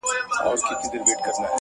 زلیخا دي کړه شاعره زه دي هلته منم عشقه،